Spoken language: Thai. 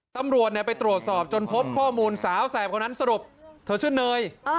ตำรวจไปตรวจสอบจนพบข้อมูลสาวแสบคนนั้นสรุปเธอชื่อเนย